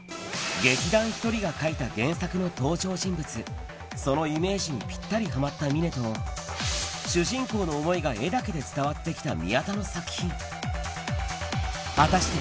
劇団ひとりが書いた原作の登場人物、そのイメージにぴったりはまった峰と、主人公の思いが絵だけで伝わってきた宮田の作品。